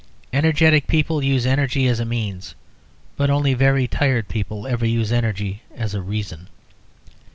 Energetic people use energy as a means, but only very tired people ever use energy as a reason.